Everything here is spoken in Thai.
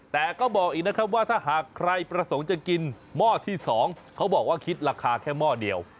แต่ก็บอกอีกนะครับว่าถ้าหากใครประสงค์จะกินหม้อที่๒เขาบอกว่าคิดราคาแค่หม้อเดียว